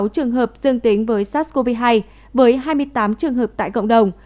sáu trường hợp dương tính với sars cov hai với hai mươi tám trường hợp tại cộng đồng